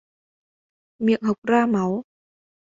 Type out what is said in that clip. Miệng hộc ra máu